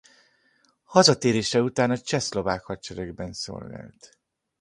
Hazatérése után a csehszlovák hadseregben szolgált.